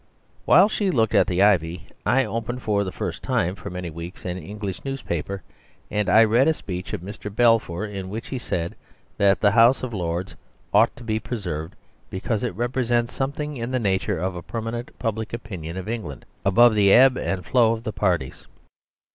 While she looked at the ivy I opened for the first time for many weeks an English newspaper, and I read a speech of Mr. Balfour in which he said that the House of Lords ought to be preserved because it represented something in the nature of permanent public opinion of England, above the ebb and flow of the parties.